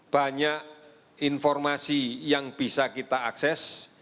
banyak informasi yang bisa kita akses